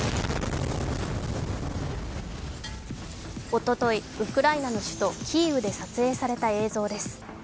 おととい、ウクライナの首都キーウで撮影された映像です。